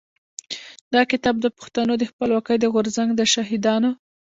دا کتاب د پښتنو د خپلواکۍ د غورځنګ د شهيدانو.